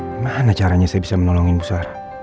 gimana caranya saya bisa menolong ibu sarah